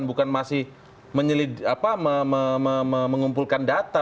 bukan masih mengumpulkan data